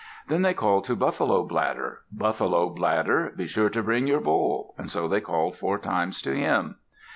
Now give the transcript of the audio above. Then they called to Buffalo Bladder. "Buffalo Bladder, be sure to bring your bowl!" So they called four times to him.